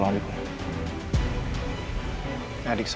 dia tidak pernah menceritakan tentang adik anda